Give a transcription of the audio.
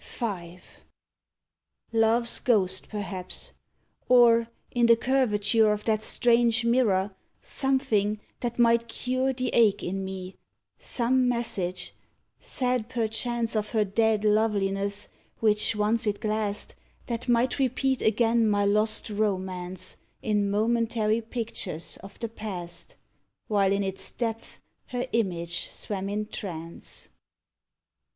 V. Love's ghost, perhaps. Or, in the curvature Of that strange mirror, something that might cure The ache in me some message, said perchance Of her dead loveliness, which once it glassed, That might repeat again my lost romance In momentary pictures of the past, While in its depths her image swam in trance.